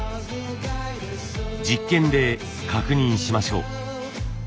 実験で確認しましょう。